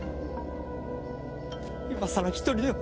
今さら１人では。